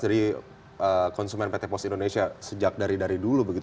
dari konsumen pt pos indonesia sejak dari dulu begitu